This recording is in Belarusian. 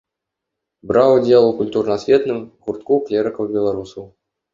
Браў удзел у культурна-асветным гуртку клерыкаў-беларусаў.